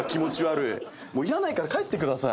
いらないから帰ってください。